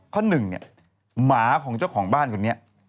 ข้อหนึ่งเนี่ยหมาของเจ้าของบ้านคนนี้